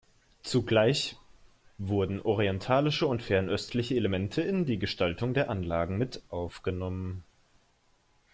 Zugleich wurden orientalische und fernöstliche Elemente in die Gestaltung der Anlagen mit aufgenommen.